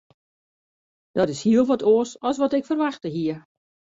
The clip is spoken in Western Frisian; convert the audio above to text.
Dat is hiel wat oars as wat ik ferwachte hie.